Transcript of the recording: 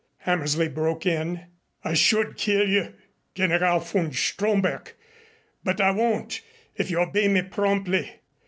Hammersley broke in. "I should kill you, General von Stromberg, but I won't if you obey me promptly.